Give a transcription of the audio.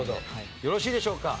よろしいでしょうか？